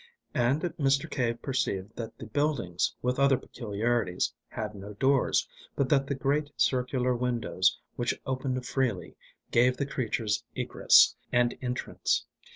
And Mr. Cave perceived that the buildings, with other peculiarities, had no doors, but that the great circular windows, which opened freely, gave the creatures egress and entrance.